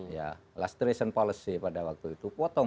illustration policy pada waktu itu potong